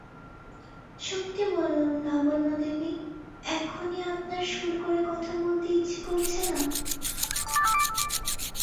সত্যি বলুন লাবণ্যদেবী, এখনই আপনার সুর করে কথা বলতে ইচ্ছে করছে না?